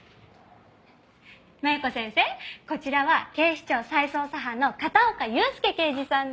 こちらは警視庁再捜査班の片岡悠介刑事さんです。